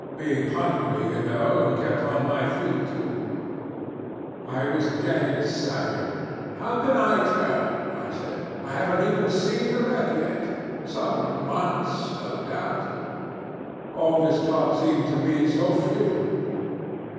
Being hungry, you know, and kept on my feet too, I was getting savage. 'How could I tell,' I said. 'I hadn't even seen the wreck yet some months, no doubt.' All this talk seemed to me so futile.